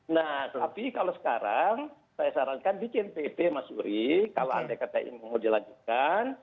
nah tapi kalau sekarang saya sarankan bikin pp mas uri kalau anda katakan mau dilakukan